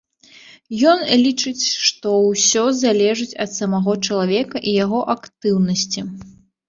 Ён лічыць, што ўсё залежыць ад самога чалавека і яго актыўнасці.